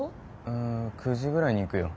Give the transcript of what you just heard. うん９時ぐらいに行くよ。